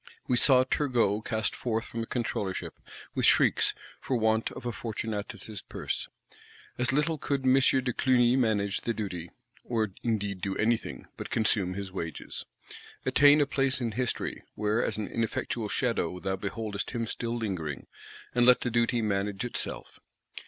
We saw Turgot cast forth from the Controllership, with shrieks,—for want of a Fortunatus' Purse. As little could M. de Clugny manage the duty; or indeed do anything, but consume his wages; attain "a place in History," where as an ineffectual shadow thou beholdest him still lingering;—and let the duty manage itself.